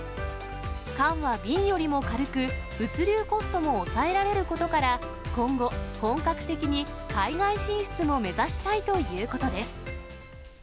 缶は瓶よりも軽く、物流コストも抑えられることから、今後、本格的に海外進出も目指したいということです。